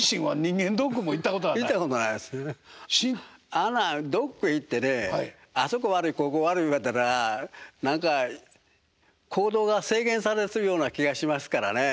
あんなんドックへ行ってねあそこ悪いここ悪い言われたら何か行動が制限されるような気がしますからね。